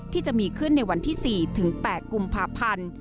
ที่จะมีขึ้นในวันที่๔๘กุมภาพันธ์